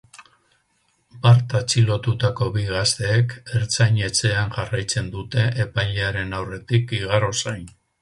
Bart atxilotutako bi gazteek ertzain-etxean jarraitzen dute epailearen aurretik igaro zain.